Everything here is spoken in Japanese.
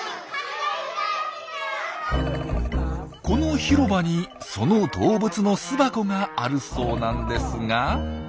この広場にその動物の巣箱があるそうなんですが。